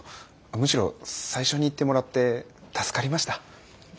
むしろ最初に言ってもらって助かりました。